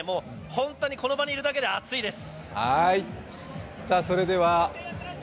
本当にこの場にいるだけで暑いです。